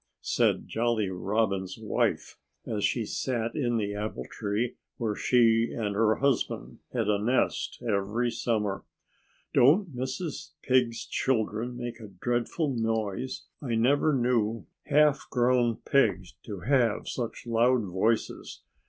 said Jolly Robin's wife as she sat in the apple tree where she and her husband had a nest every summer. "Don't Mrs. Pig's children make a dreadful noise? I never knew half grown pigs to have such loud voices.